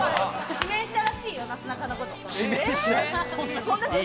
指名したらしいよ、なすなかのこと。